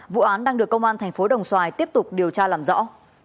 vụ án đang được công an thành phố đồng xoài tiếp tục điều tra làm rõ